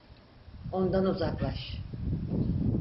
Ondan uzaklaş!